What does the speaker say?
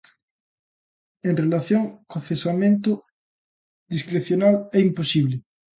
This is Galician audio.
En relación co cesamento discrecional, é imposible.